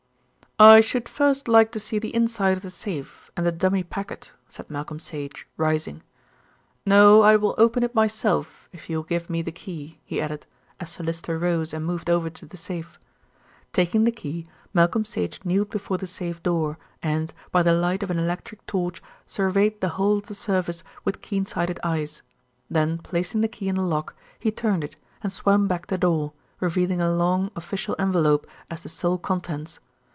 "I should first like to see the inside of the safe and the dummy packet," said Malcolm Sage, rising. "No, I will open it myself if you will give me the key," he added, as Sir Lyster rose and moved over to the safe. Taking the key, Malcolm Sage kneeled before the safe door and, by the light of an electric torch, surveyed the whole of the surface with keen sighted eyes. Then placing the key in the lock he turned it, and swung back the door, revealing a long official envelope as the sole contents.